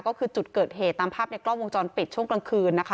ก็คือจุดเกิดเหตุตามภาพในกล้องวงจรปิดช่วงกลางคืนนะคะ